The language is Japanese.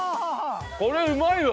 これうまいわ！